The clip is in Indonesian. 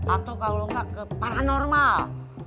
atau kalau enggak ke paranormal